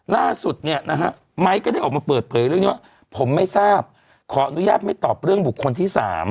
ล่าสุดเนี่ยนะฮะไม้ก็ได้ออกมาเปิดเผยเรื่องนี้ว่าผมไม่ทราบขออนุญาตไม่ตอบเรื่องบุคคลที่๓